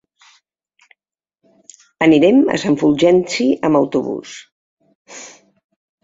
Anirem a Sant Fulgenci amb autobús.